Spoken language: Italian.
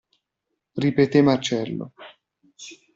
Ripetè Marcello.